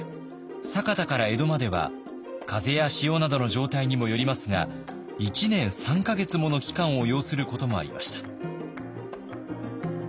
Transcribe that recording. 酒田から江戸までは風や潮などの状態にもよりますが１年３か月もの期間を要することもありました。